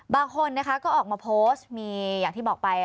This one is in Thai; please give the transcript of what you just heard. บางคนนะคะก็ออกมาโพสต์มีอย่างที่บอกไป